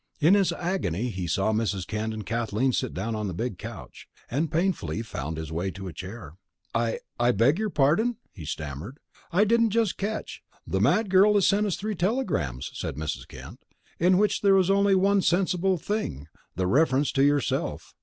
In his agony he saw Mrs. Kent and Kathleen sit down on the big couch, and painfully found his way to a chair. "I I beg your pardon?" he stammered. "I didn't just catch " "The mad girl has sent us three telegrams," said Mrs. Kent, "in which there was only one sensible thing, the reference to yourself.